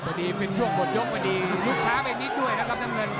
วันนี้เป็นช่วงบทยกวันนี้ลุดช้าไปนิดด้วยนะครับน้ำเงิน